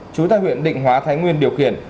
chú tại huyện định hóa thái nguyên điều khiển